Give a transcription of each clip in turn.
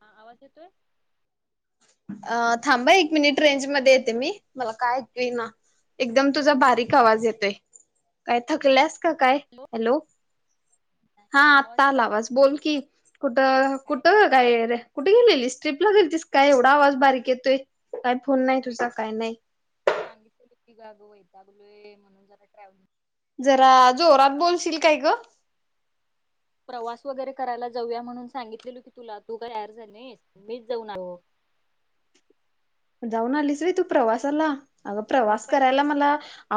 हा आवाज येतोय? अ थांबा एक मिनिट रेंज मध्ये येते मी मला काय ऐकू येईना एकदम तुझा बारीक आवाज येतोय काय थकलीयास? काय हॅलो हा आता आला आवाज बोल की कुठं काय नाही कुठं? कुठे गेलेलीस ट्रीपला गेलतीस काय एवढा आवाज बारीक येतोय? काय आग फोन नाही होय तुझा काय ग नाही तुला सांगितलेलो कि बघ कि अग वैतागलोय म्हणून जरा जरा ट्रॅव्हलिंग जोरात बोलशील काय ग प्रवास वगैरे करायला जाऊया म्हणून सांगितलेल की तुला तु तयार झाली नाहीस मीच जाऊन आलो. जाऊन आलीस वय तू प्रवासाला? अग मग प्रवास काय तर करायला मला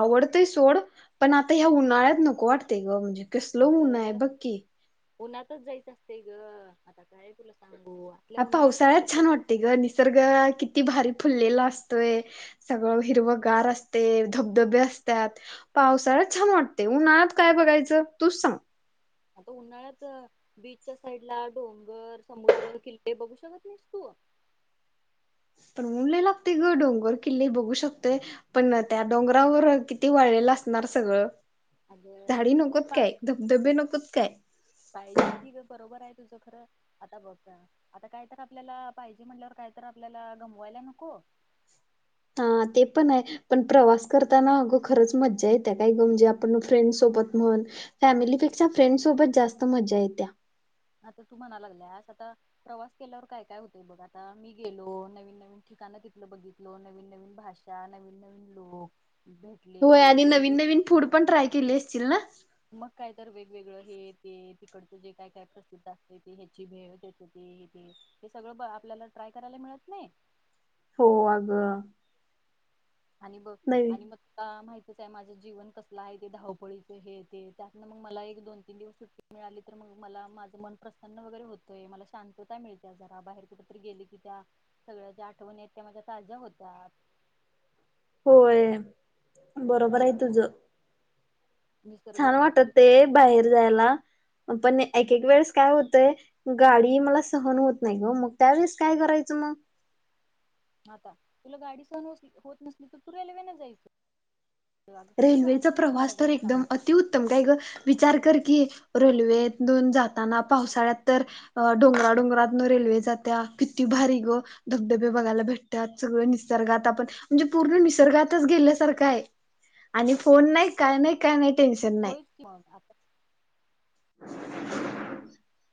आवडतय सो सोड पण आता ह्या उन्हाळ्यात नको वाटतय ग म्हणजे कसलं ऊनय अगं बघ की. उन्हातच जायचं असतय ग आता काय तुला सांगू. आपल्या हा उन्हाळ्यातच पावसाळाच मज्जा छान करायची वाटतयं ग निसर्ग किती भारी फुललेलं असतोय सगळं हिरवंगार असतयं, धबधबे असत्यात, पावसाळ्यात छान वाटतयं, उन्हाळ्यात काय बघायचं तूच सांग. आता उन्हाळ्यात बीचच्या साईडला, डोंगर, समुद्र, किल्ले बघू शकत नाहीस तू? पण ऊन लई लागतय ग डोंगर किल्ले बघू शकतोय पण त्या डोंगरावर किती वाळलेलं असणार सगळं. अग झाडी आता कुत नकोत पा काय धबधबे नकोत काय पाहिजे कि बरोबर आहे तुझ आता बघ न आता काय तर आपल्याला पाहिजे म्हणल्यावर काय तर आपल्याला गमवायला नको. हा ते पण अय पण प्रवास करताना अगं खरंच मज्जा येत्या काय ग म्हणजे आपण फ्रेंड सोबत म्हण फॅमिलीपेक्षा फ्रेंड सोबत जास्त मज्जा येतीया. आता तू म्हणाय लागल्यास आता प्रवास केल्यावर काय काय होतय बघ आता मी गेलो नवीन नवीन ठिकाण तिथल बघितलो नवीन नवीन भाषा नवीन नवीन लोक भेटले होय हे आणि ते नवीन हे नवीन फूड पण ट्राय केलीस. असशील ना? मग काय तर वेगवेगळं हे ते तिकडचं जे काय काय प्रसिद्ध असतयं ते ह्याची भेळ त्याच ते ते हे सगळं ब आपल्याला ट्राय करायला मिळत नाही. हो अगं आणि बघ नाही आणि मग का माहिती इथं माझं जीवन कसलं आहे ते धावपळीचं हे ते त्यातन मग मला एक दोन तीन दिवस सुट्टी मिळाली तर मग मला माझं मन प्रसन्न वगैरे होतय मला शांतता मिळतिया जरा बाहेर कुठ तरी गेली की त्या सगळ्या ज्या आठवणी आहेत त्या माझ्या ताज्या होतात. होय बरोबरये तुझं छान निसर्गरम्य वाटते ते परिसर बाहेर जायला पणये एक एक वेळेस काय होतंय गाडी मला सहन होत नाही हो मग त्यावेेळेस काय करायचं मग आता तुला गाडी सहन होती होत नसली तर तू रेल्वेने जायचं. अगं किती रेल्वेचा वाहतुकीचे प्रवास मार्ग तर आहेत एकदम सांगू अतिउत्तम काय ग विचार कर कि रेल्वून जाताना पावसाळ्यात तर डोंगराडोंगरातन रेल्वे जात्या किती भारी ग धबधबे बघायला भेटतात सगळ निसर्गात आपण म्हणजे पूर्ण निसर्गातच गेल्यासारखं आहे. आणि फोन नाही काय नाही काय नाहीक् टेनशन नाही होयच की मग आता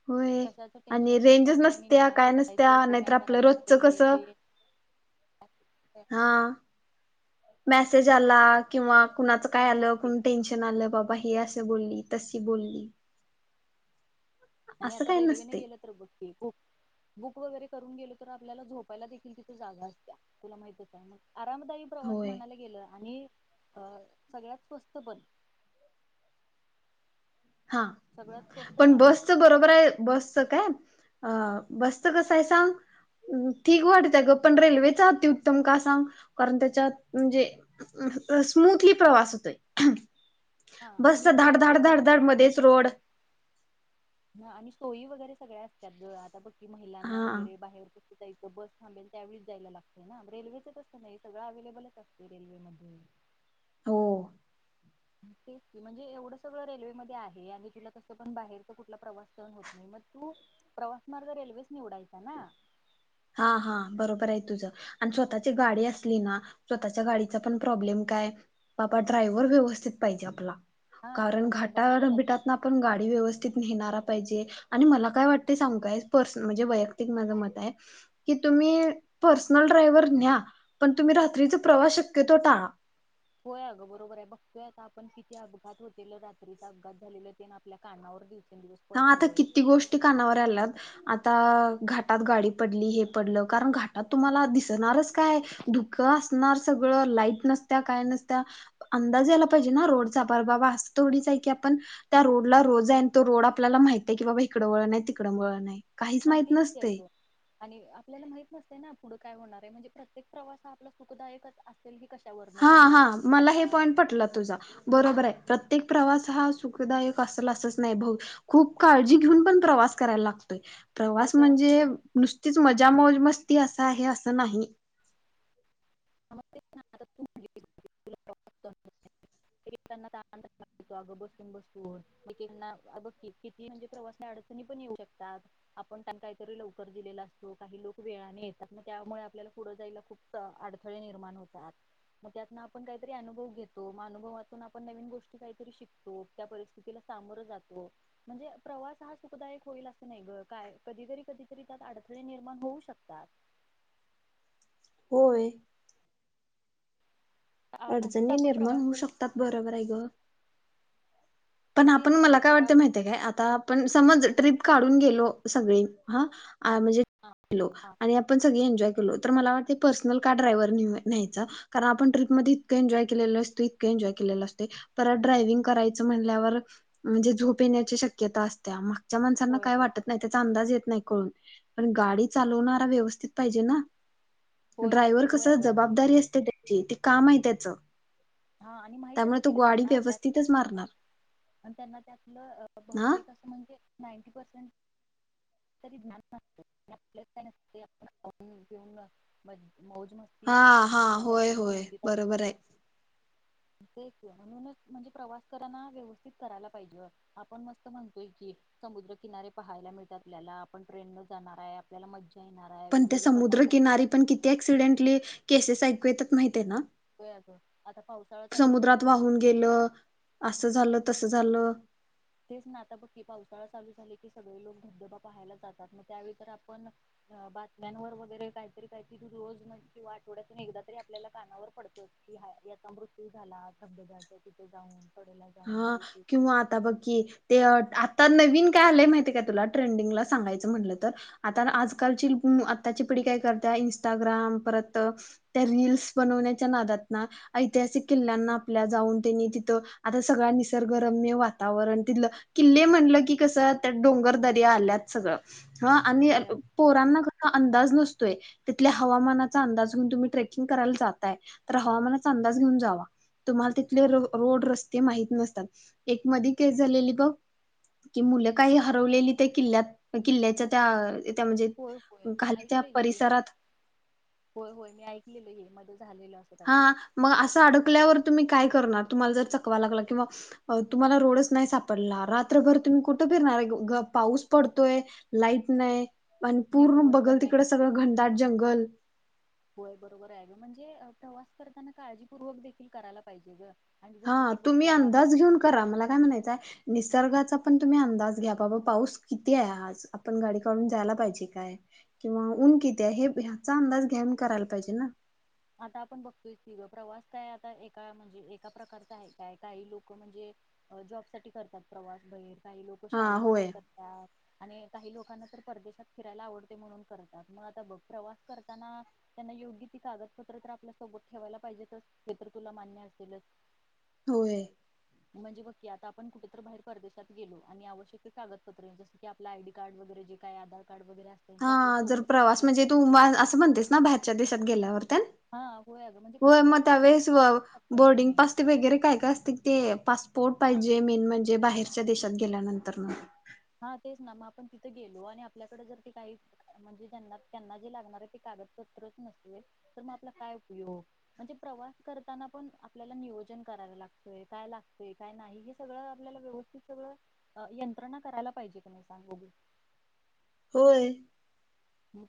होय कशाच आणि टेन्शन नाही काय रेंजच नाही आणि नसत्या निवांत काय पसायचं नसत्या नाहीतर कोराय आपलं करायला रोजचं हे कसं ते हा मेसेज आला किंवा तेच कुणाचं की काय आणि आलं कोण टेन्शन आलं, बाबा हे अस बोलली तशी बोलली. आणि असं आता काय रेल्वेने नसते गेलं तर बघ खक बुक वगैरे करून गेल तर आपल्याला झोपायला देखील तिथे जागा असत्या तुला माहितच आहे मग आरामदायी प्रवास होय म्हणायला गेलं आणि अ सगळ्यात स्वस्त पण हा सगळ्यात स्वस्त पण मार्ग बसच बरोबर आहे बसच काय अ बस कसं आहे सांग ठीक वाटतय ग पण रेल्वेच अतिउत्तम का सांग कारण त्याच्यात म्हणजे स्मूथली प्रवास होतोय. हा बसचा आणि धाड धाड धाड रेल्वेमध्येध्ये धाड मध्येच कस रोड ह आणि सोयी वगैरे सगळ्या असतात ग आता बघ की महिलांना हा वगैरे बाहेर त इथं बस थांबेल त्यावेळीच जायला लागते ना रेल्वेचच असत नाही सगळं अव्लेबलच असते रेल्वेमध्येध्ये हो तेच म्हणजे एवढं सगळं रेल्वे मध्ये आहे आणि तुला कसं पण बाहेरचा कुठला प्रवास करन होत नाही मग तू प्रवास मार्ग रेल्वेच निवडायचा ना. हा हा बरोबर आहे तुझं आणि स्वतःची गाडी असली ना स्वतःच्या गाडीचा पण प्रॉब्लेम काय बाबा ड्रायव्हर व्यवस्थित पाहिजे आपला. हा कारण बरोबर आहे बघ घाटा बिटात आता ना आपण गाडी व्यवस्थित नेहणार. पाहिजेआणि मला काय वाटत स पर् म्हणजे वैयक्तिक माझं मत आहे. की तुम्ही पर्सनल ड्रायव्हर न्या पण तुम्ही रात्रीच प्रवास शक्यतो टाळा. होय अ गं बरोबर आहे बघतोय आता आपण किती अपघात होते रात्रीचा अपघात झालेला ते आपल्या कानावर दिवसेंदिवस हा आता पडतोय किती गोष्टी कानावर आल्यात. आता घाटात गाडी पडली हे पडल कारण घाटात तुम्हाला दिसणारच काय धुकं असणार सगळ लाईट नसत्या काय नसत्या अंदाज यायला पाहिजे ना रोडचा पर बाबा अस थोडीच आहे की आपण त्या रोडला रोज तो रोड आपल्याला माहितीय की बाबा इकडं वळण आहे तिकडं वळण आहे काहीच हां माहित तेच ते नसतंय अगं आणि आपल्याला माहित नसतंय ना पुढं काय होणार आहे म्हणजे प्रत्येक प्रवास आपला सुखदायकच असे हां हां मला हे पॉईंट पटलं तुझा बरोबर आहे. प्रत्येक प्रवास हा सुखदायक असल असच नाही भाऊ खूप काळजी घेऊन पण प्रवास करायला लागतोय. प्रवास आता म्हणजे नुसतीच म जा मोज मस्ती असं आहे असं नाही. [inaudible] [unintelligible] अगं बसून बसून एकेकांना अ बघ की किती म्हणजे प्रवास अडचणी पण येऊ शकतात आपण त्यांना काहीतरी लवकर दिलेला असतो काही लोकं वेळाने येतात मग त्यामुळे आपल्याला पुढं जायला खूप अडथळे निर्माण होतात, मग त्यातन आपण काहीतरी अनुभव घेतो म अनुभवा तून आपण नवीन गोष्टी काहीतरी शिकतो त्या परिस्थितीला सामोरं जातो म्हणजे प्रवास हा सुखदायक होईल असं नाही गं काय कधीतरी कधीतरी त्यात अडथळे निर्माण होऊ शकतात. होय. असंच अडचणी आपण निर्माण प्रवास होऊ जर शकतात बरोबर आहे गं पण मग तेच आपण मला की काय आता वाटतंय माहित आहे काय आता आपण समज ट्रिप काढून गेलो सगळे हा आमी जे गेलो आणि आपण सगळी एन्जॉय [unintelligible] लो तर मला वाटतय पर्सनल कार ड्रायव्हर न्हेहूया न्हेयचा कारण आपण ट्रिप मधे इतकं एन्जॉय केलेलं असतोय, इतकं एन्जॉय केलेलं असतय, परत ड्रायव्हिंग करायच म्हण ल्यावर म्हणजे झोप येण्याची शक्यता असत्या म्ह च्या माणसांना होय काय होय वाटत नाई बरोबर त्याचा अंदाज येत नाही कळून पण गाडी चालवणारा व्यवस्थित पाहिजे ना? होय ड्रायव्हर कस होय अगं जबाबदारी असते त्याची ते काम आहे त्याच हा आणि माहित असतय ग त्यांना त्यात [unintelligible] मारणार आणि त्यांना त्यातलं अ हा बहुतेक असं म्हणजे नाईंन्टी परसेंन्ट तरी ज्ञान लागतय आणि आपल्यात काय नसतय आपण खाऊन, पिऊन, मज मौज मस्ती [unintelligible] हा हा ह्याच्या [unintelligible] होय असतो, होय रुंदीत असतो बरोबर आहे हु तेच की म्हणूनच म्हणजे प्रवास कराना व्यवस्थित करायला पाहिजे अ, आपण मस्त म्हणतोय की समुद्र किनारे पाहायला मिळत आपल्याला, आपण ट्रेन न जाणार आय, आपल्याला मज्जा येणार आहे पण त्या वेगवेगळे पदार्थ समुद्रकिनारी पण किती ऍक्सिडेंटली केसेस ऐकू येतात माहित ते ना, खातोय अगं. आता पावसाळा चालू झाला समुद्रात तर वाहून गेलं, आस झाल तस झालं तेच ना आता बघ की, पावसाळा चालू झाले की सगळे लोक धबधबा पाहायला जातात, मग त्यावेळी तर आपण अ बातम्यांवर वगैरे काहीतरी काहीतरी रोज म्हणजे किंवा आठवड्यातून एकदा तरी आपल्याला कानावर पडतं कि याचा मृत्यू झाला धबधब्याच्या तिथे जाऊन कडेला जाऊन हा, हे ते किंवा आता बघ की ते आता नवीन काय आलंय माहितीय काय तुला ट्रेंडिंगला सांगायचं म्हटलं, तर आता आजकालची आताची पिढी काय करत्या इंस्टाग्राम, परत त्या रील्स बनवण्याच्या नादात ना ऐतिहासिक किल्ल्यांना आपल्या जाऊन तेनी तिथं आता सगळ निसर्गरम्य वातावरण तिथलं किल्ले म्हणलं कि कसं त्या डोंगर दय्रा आल्यात सगळं ह आणि अ होय पोरांना अ अंदाज नसतोय तिथल्या हवामानाचा अंदाज घेऊन तुम्ही ट्रेकिंग करायला जातायं, तर हवामानाचा अंदाज घेऊन जावा तुम्हाला तिथले रोड, रस्ते ते माहित नसतात, एक मध्ये केस झालेली बघं की, मुलं काही हरवलेली त्या किल्ल्यात किल्ल्याच्या त्या त्या म्हणजे होय होय खाली त्या ऐकलंय मी हे परिसरात होय होय मी ऐकलेलं हे मधे हा मग असं अडकल्यावर तुम्ही काय करणार तुम्हाला जर चकवा लागला किंवा तुम्हाला रोडच नाही सापडला रात्रभर तुम्ही कुठं फिरणार पाऊस पडतोय लाईट नाय आणि पूर्ण नेटवर्क बघल तिकडं नाही सगळं घनदाट जंगल होय बरोबर आहे ग म्हणजे प्रवास करताना काळजीपूर्वक देखील करायला पाहिजे ग आणि हा जसं की बघ तुम्ही की आता आपण अंदाज घेऊन करा मला काय म्हणायचंय निसर्गाचा पण तुम्ही अंदाज घ्या बाबा पाऊस किती आहे आज आपण गाडी काढून जायला पाहिजे काय किंवा ऊन किती आहे हे ह्याचा अंदाज घेऊन करायला पाहिजे ना आता आपण बघतोय ति प्रवास काय आता एका म्हणजे एका प्रकारचा आहे काय काही लोक म्हणजे जॉब साठी करतात प्रवास बाहेर काही लोक हा शाळेसाठी होय करतात. आणि काही लोकांना तर परदेशात फिरायला आवडते म्हणून करतात मग आता बघ प्रवास करताना त्यांना योग्य ती कागदप त्र आपल्या सोबत ठेवायला पाहिजे तर हे तर तुला मान्य असेलच. होय. म्हणजे बघकी आता आपण कुठेत बाहेर परदेशात गेलो आणि आवश्यक कागदपत्र जस की आपलं आयडी कार्ड वगैरे जे काय आधार कार्ड वगैरे असत ते आपल्या हा जर सोबत प्रवास नसलं म्हणजे तू असं म्हणतेस ना बाहेरच्या देशा गेला वर हा अगं म्हणजे होय तिथं म अडचण त्यावेळेस निर्माण होऊ शकतात की बोर्डिंग नाही. पास वगैरे काय काय असते ते पासपोर्ट हा पाहिजे मेन म्हणजे बाहेर बाहेरच्या देशात गेल्यानंतर मग हा तेच ना मग आपण तिथं गेलो आणि आपल्याकडे जर ते काही म्हणजेना त्यांना जे लागणार ते कागदपत्रच नसते तर मग आपला काय उपयोग म्हणजे प्रवास करताना पण आपल्याला नियोजन कराला लागतय काय लागतय काय नाही हे सगळं आपल्याला व्यवस्थित सगळं यंत्रणात करायला पाहिजे का नाही सांग बघू. होय.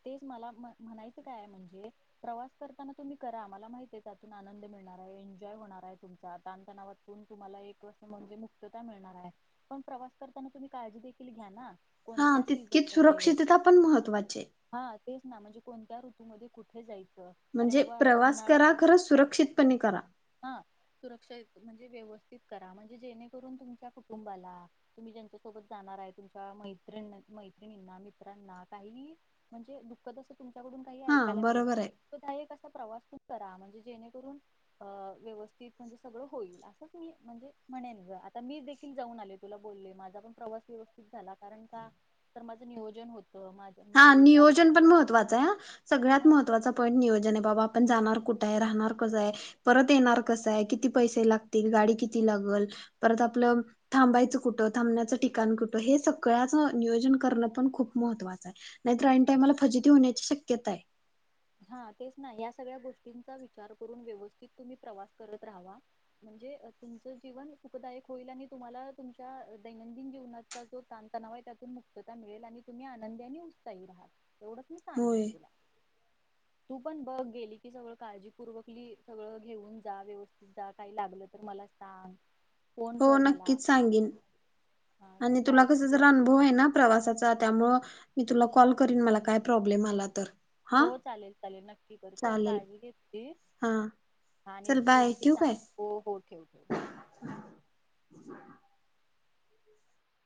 तेच मला म्हणायचं काय म्हणजे प्रवास करताना तुम्ही करा मला माहित आहे त्यातून आनंद मिळणार आहे एन्जॉय होणार आहे तुमचा ताण तणावातून तुम्हाला एक म्हणजे मुक्तता मिळणार आहे पण प्रवास करताना तुम्ही काळजी देखील घ्या ना हा कोणत्या सीझन तितकीच मध्ये सुरक्षितता पण महत्त्वाची ये. हा तेच ना म्हणजे कोणत्या ऋतूमध्ये कुठे जाई च अरे म्हणजे बाबा आता प्रवास उन्हाळा करा खरं सुरक्षितपणे करा हा सुरक्ष म्हणजे व्यवस करा म्हणजे जेणेकरून तुमच्या कुटुंबाला तुम्ही ज्यांच्यासोबत जाणार आहे तुमच्या मैत मैत्रिणींना मित्रांना काही म्हणजे दुःखं कडून काही हा ऐकायला मिळू बरोबर नये आहे तो त्यात एक प्रवास पण करा म्हणजे जेणेकरून अ व्यवस्थित म्हणजे सगळं होईल असंच मी म्हणजे म्हणेन ग आता मी देखील जाऊन आले तुला बोलले माझा पण प्रवास व्यवस्थित झाला कारण का तर माझं नियोजन होत माझ मी हा सगळे जे नियोजन पण आवश्यक महत्वाचं आहे सगळ्यात हा महत्वाचा पॉईंट नियोजन आहे बाबा आपण जाणार कुठं आहे राहणार कसं आहे परत येणार कसं आहे किती पैसे लागतील गाडी किती लागल परत आपलं थांबायचं कुठं थांबण्याचं ठिकाण कुठं हे सगळ्याच नियोजन करणं पण खूप महत्त्वाच नाहीतर ऐन टायमला फजिती होण्याची शक्यता आहे. हा तेच नाही या सगळ्या गोष्टींचा विचार करून व्यवस्थित तुम्ही प्रवास करत राहावा म्हणजे तुमचं जीवन सुखदायक होईल आणि तुम्हाला तुमच्या दैनंदिन जीवनाचा जो ताणतणाव आहे त्यातून मुक्तता मिळेल आणि तुम्ही आनंदीने उत्साही राहाल. तेवढंच मी सांगेन होय तुला. तू पण बघ गेली की सगळ काळजीपूर्वक सगळं घेऊन जा व्यवस्थित जा काही लागलं तर मला सांग फोन हो कर मला नक्कीच सांगीन. हा आणि तुला कस जर काळजीपूर्वक अनुभव आहे ना प्रवासाचा त्यामुळे मी तुला कॉल करीन मला काय प्रॉब्लेम आला तर हो हा चालेल चालेल नक्की करू चल चालेल काळजी घेत हा त आणि चल बाय गेली की ठेवू सांग काय हो हो ठेव. Bye bye. [inaudible]